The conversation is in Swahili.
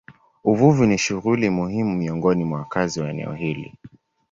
Uvuvi ni shughuli muhimu miongoni mwa wakazi wa eneo hili.